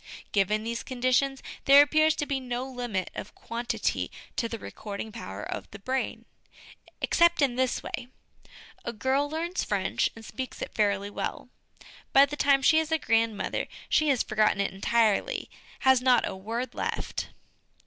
Given these conditions, there appears to be no limit of quantity to the recording power of the brain. Except in this way : a girl learns French, and speaks it fairly well ; by the time she is a grand mother she has forgotten it entirely, has not a word left.